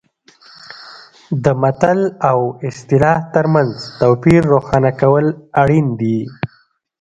د متل او اصطلاح ترمنځ توپیر روښانه کول اړین دي